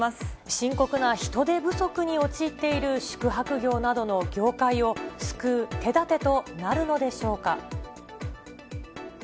深刻な人手不足に陥っている宿泊業などの業界を救う手立てとなるのでしょうか。